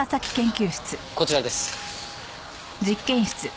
こちらです。